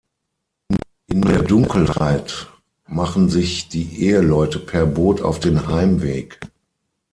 In der Dunkelheit machen sich die Eheleute per Boot auf den Heimweg.